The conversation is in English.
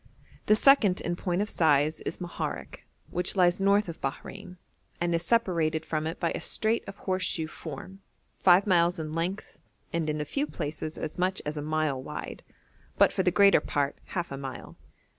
The second in point of size is Moharek, which lies north of Bahrein, and is separated from it by a strait of horse shoe form, five miles in length, and in a few places as much as a mile wide, but for the greater part half a mile.